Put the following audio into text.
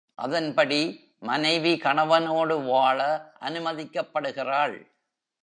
அதன்படி மனைவி கணவனோடு வாழ அனுமதிக்கப்படுகிறாள்.